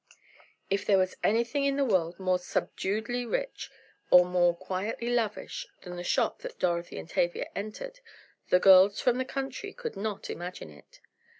If there was anything in the world more subduedly rich, or more quietly lavish, than the shop that Dorothy and Tavia entered, the girls from the country could not imagine it.